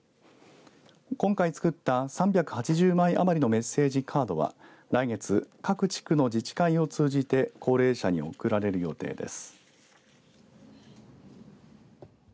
今回作った３８０枚余りのメッセージカードは来月、各地区の自治会を通じて高齢者に贈られる予定です。